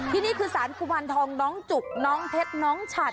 นี่คือสารกุมารทองน้องจุกน้องเพชรน้องฉัด